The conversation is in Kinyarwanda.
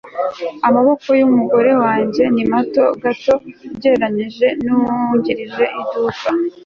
amaboko yumugore wanjye ni mato gato ugereranije nuwungirije iduka